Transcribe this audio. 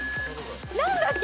何だっけ？